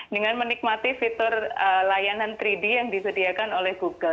dengan menikmati fitur layanan tiga d yang disediakan oleh google